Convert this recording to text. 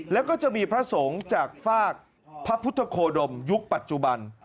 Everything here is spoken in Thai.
แล้วก็จะมีพระสงฆ์จากฝากพระพุทธโคดมยุคปัจจุบัน